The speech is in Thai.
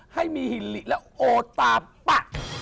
ให้มีฮิลลิและโอตาปะ